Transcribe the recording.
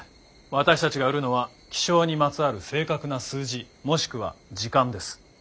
私たちが売るのは気象にまつわる正確な数字もしくは時間です。